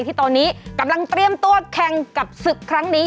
ที่ตอนนี้กำลังเตรียมตัวแข่งกับศึกครั้งนี้